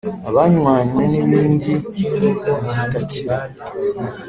abanywanye nibirinde kugitatira